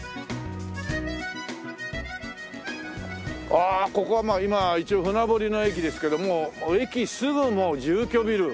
ああここは今一応船堀の駅ですけどもう駅すぐ住居ビル。